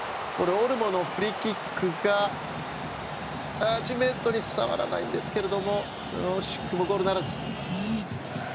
オルモのフリーキックが触らないんですけども惜しくもゴールならず。